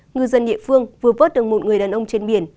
ngư dân địa phương vừa vớt được một người đàn ông trên biển